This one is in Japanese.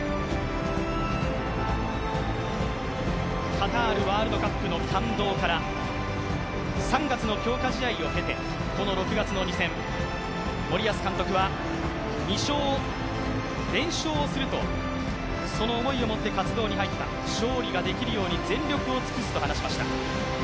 カタールワールドカップの感動から３月の強化試合を経てこの６月の２戦、森保監督は２勝、連勝すると、その思いを持って活動に入った勝利ができるように全力を尽くすと話しました。